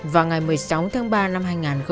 vào ngày một mươi sáu tháng ba năm hai nghìn một mươi ba